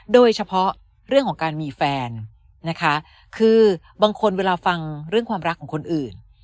โดยเฉพาะเรื่องของการมีแฟนนะคะคือบางคนเวลาฟังเรื่องความรักของคนอื่น